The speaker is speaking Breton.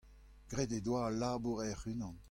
Graet he doa al labour hec'h-unan.